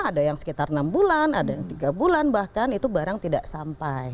ada yang sekitar enam bulan ada yang tiga bulan bahkan itu barang tidak sampai